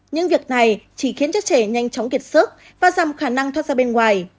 những việc này chỉ khiến cho trẻ nhanh chóng kiệt sức và giảm khả năng thoát ra bên ngoài